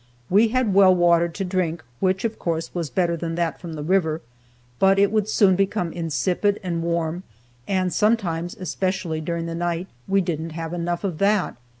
We had well water to drink, which, of course, was better than that from the river, but it would soon become insipid and warm, and sometimes, especially during the night, we didn't have enough of that.